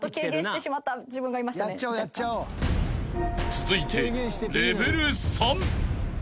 ［続いてレベル３］